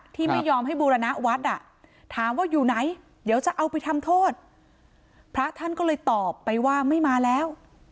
ที่ไม่ยอมให้บูรณวัดอ่ะถามว่าอยู่ไหนเดี๋ยวจะเอาไปทำโทษพระท่านก็เลยตอบไปว่าไม่มาแล้ว